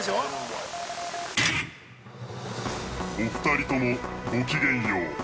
お二人ともごきげんよう。